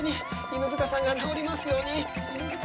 犬塚さんが治りますように！